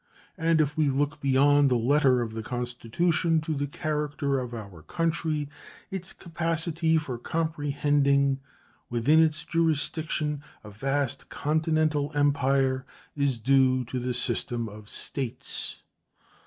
And if we look beyond the letter of the Constitution to the character of our country, its capacity for comprehending within its jurisdiction a vast continental empire is due to the system of States.